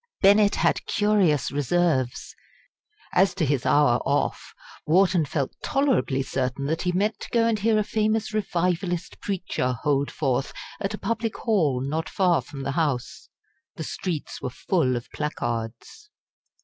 Bennett had curious reserves. As to his hour off, Wharton felt tolerably certain that he meant to go and hear a famous Revivalist preacher hold forth at a public hall not far from the House. The streets were full of placards.